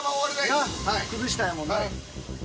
崩したんやもんな。